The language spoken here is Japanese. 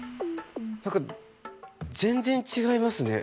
何か全然違いますね。